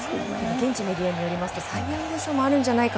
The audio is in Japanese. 現地のメディアによりますとサイ・ヤング賞もあるんじゃないか